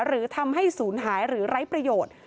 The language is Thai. หรือทำให้ศูนย์หายหรือไร้ประโยชน์